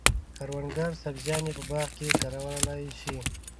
کروندګر سبزیان په باغ کې کرلای شي.